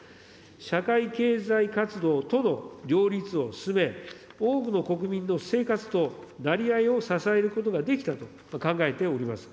社会経済活動との両立を進め、多くの国民の生活となりわいを支えることができたと考えております。